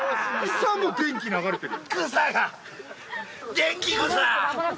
草も電気流れてる。